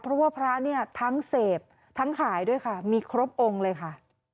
เพราะว่าพระเนี่ยทั้งเสพทั้งขายด้วยค่ะมีครบองค์เลยค่ะ